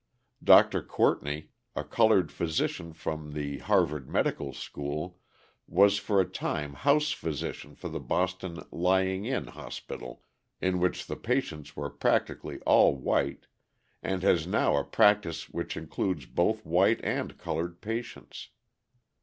Dr. Courtney, a coloured physician from the Harvard Medical School, was for a time house physician of the Boston Lying in Hospital, in which the patients were practically all white, and has now a practice which includes both white and coloured patients.